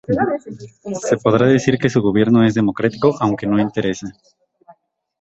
Se podría decir que su gobierno es democrático aunque no interesa.